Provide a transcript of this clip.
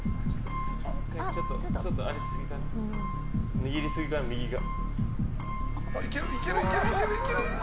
握りすぎかな、右が。